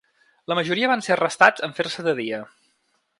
La majoria van ser arrestats en fer-se de dia.